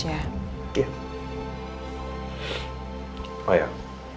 dan dia banyak